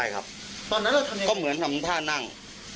ก็เหมือนทำท่านั่ง